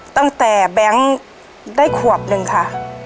ตั้งแต่แบงก์ได้ขวบหนึ่งค่ะ